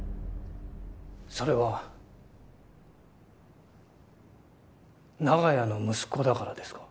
それは長屋の息子だからですか？